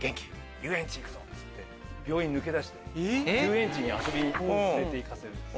遊園地行くぞ」って病院抜け出して遊園地に遊びに連れて行くんです。